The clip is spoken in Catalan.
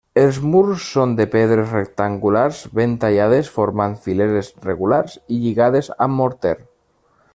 Els murs són de pedres rectangulars ben tallades formant fileres regulars i lligades amb morter.